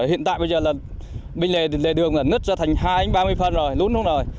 hiện tại bây giờ là bên lề đường là nứt ra thành hai ba mươi phân rồi lút xuống rồi